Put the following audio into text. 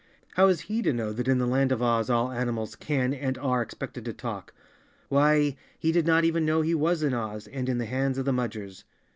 How was he to know that in the land of Oz all animals can and are expected to talk? Why, he did not even know he was in Oz, and in the hands of the Mudgers.